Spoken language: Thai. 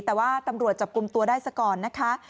แต่ว่าตำรวจจับกลุ่มตัวได้ซะก่อนนะคะ